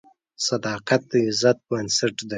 صداقت د عزت بنسټ دی.